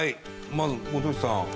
まず本吉さん。